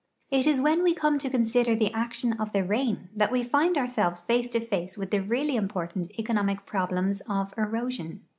It is when we come to consider the action of the rain that we find ourselves face to face with the really important economic ])rohlems of erosion.